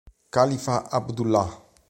Khalifa Abdullah